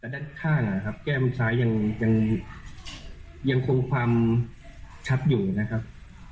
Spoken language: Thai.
ด้านด้านข้างแก้มซ้ายยังคงความชัดอยู่นะครับ